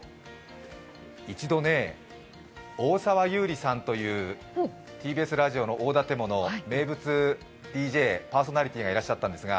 そう、１度、大沢悠里さんというＴＢＳラジオの大立者、名物ＤＪ、パーソナリティーがいらっしゃるんですが。